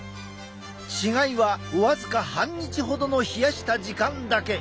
違いは僅か半日ほどの冷やした時間だけ。